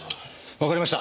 わかりました。